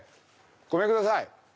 ごめんください。